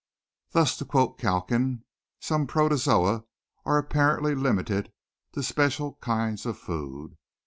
Thus, to quote Calkins, "some protozoa are apparently limited to special kinds of food.